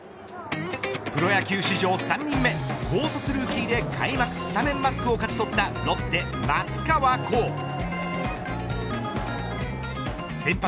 プロ野球史上３人目高卒ルーキーで開幕スタメンマスクを勝ち取ったロッテ松川虎生。